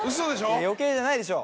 いや余計じゃないでしょ。